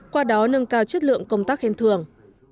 qua đó nâng cao chất lượng công tác khen thường